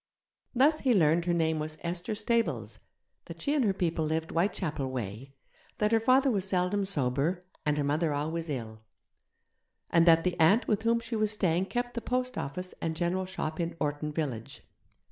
Thus he learned her name was Esther Stables, that she and her people lived Whitechapel way; that her father was seldom sober, and her mother always ill; and that the aunt with whom she was staying kept the post office and general shop in Orton village.